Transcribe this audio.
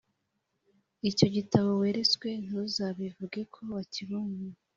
Icyo gitabo weretswe ntuzabivuge ko wakibonye